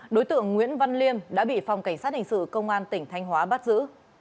đối tượng nguyễn văn liêm đã bị phòng cảnh sát hình sự công an tỉnh thanh hóa bắt giữ